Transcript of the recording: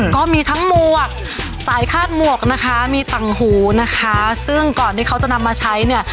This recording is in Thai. ก็มีทั้งหมวกสายคาดหมวกนะคะมีตังหูนะคะซึ่งก่อนที่เขาจะนำมาใช้เนี่ย